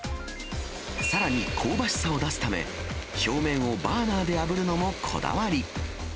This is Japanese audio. さらに、香ばしさを出すため、表面をバーナーであぶるのもこだわり。